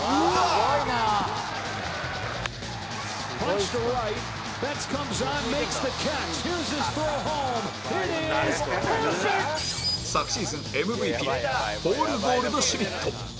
「すごい」昨シーズン ＭＶＰ ポール・ゴールドシュミット